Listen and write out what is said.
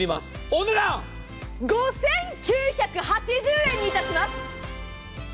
お値段５９８０円にいたします。